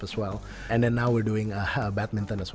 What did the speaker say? dan sekarang kami melakukan badminton juga